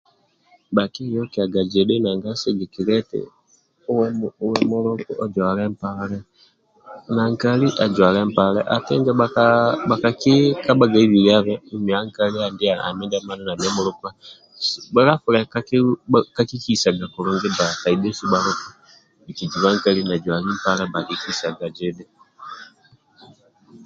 Bhakieyokiaga jidhi nanga sigikilia eti uwe muluku ojuale mpale na nkali ajuale mpale ati bhenjo bhakpa bhaka bhakikabha hibililiabe bhia nkali andia andi mundia mani bhia injo kakisaga kulungi bba bhia bhesu bhaluku.